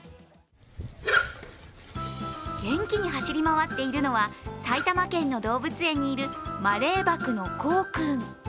元気に走り回っているのは埼玉県の動物園にいるマレーバクのコウくん。